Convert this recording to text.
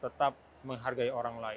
tetap menghargai orang lain